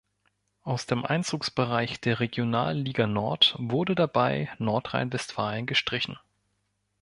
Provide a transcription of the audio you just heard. Aus dem Einzugsbereich der Regionalliga Nord wurde dabei Nordrhein-Westfalen gestrichen.